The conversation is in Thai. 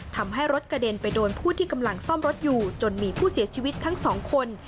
ทำให้รถกระเด็นไปโดนผู้ที่กำลังซ่อมรถอยู่จนมีผู้เสียชีวิตทั้งสองคน